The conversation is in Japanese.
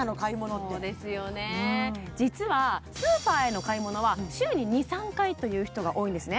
実はスーパーへの買い物は週に２３回という人が多いんですね